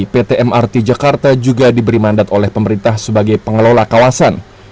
pt mrt jakarta juga diberi mandat oleh pemerintah sebagai pengelola kawasan